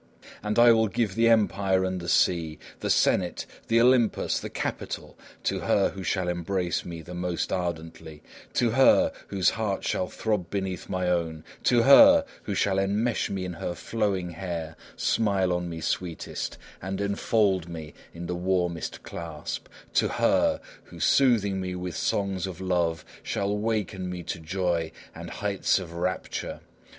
And I will give the empire and the sea, the Senate, the Olympus, the Capitol, to her who shall embrace me the most ardently; to her whose heart shall throb beneath my own; to her who shall enmesh me in her flowing hair, smile on me sweetest, and enfold me in the warmest clasp; to her who soothing me with songs of love shall waken me to joy and heights of rapture!